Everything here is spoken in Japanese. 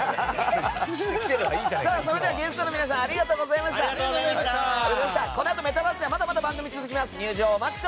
ゲストの皆さんありがとうございました。